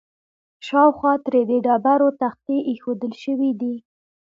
شاوخوا ترې د ډبرو تختې ایښودل شوي دي.